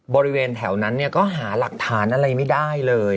บริเวณแถวนั้นเนี่ยก็หาหลักฐานอะไรไม่ได้เลย